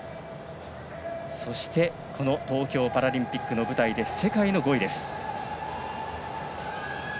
そして東京パラリンピックの舞台で世界の５位です。